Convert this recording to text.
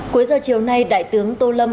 cuối giờ chiều nay đại tướng tô lâm